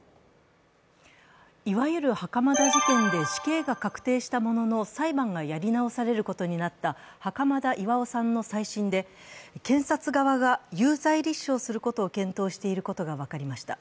いわゆる袴田事件で死刑が確定したものの裁判がやり直されることになった袴田巌さんの再審で、検察側が有罪立証することを検討していることが分かりました。